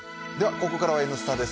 ここからは「Ｎスタ」です。